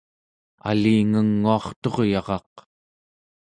alingenguarturyaraq